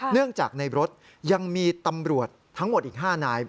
เนื่องจากในรถยังมีตำรวจทั้งหมดอีก๕นาย